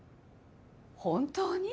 本当に？